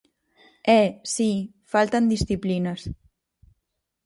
E, si, faltan disciplinas.